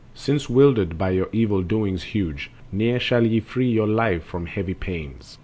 Since wildered by your evil doings huge, Ne'er shall ye free your life from heavy pains.